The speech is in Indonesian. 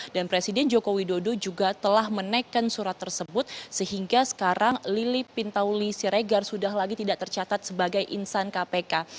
dan presiden joko widodo juga telah menaikkan surat tersebut sehingga sekarang lili pintauli siregar sudah lagi tidak tercatat sebagai insan kpk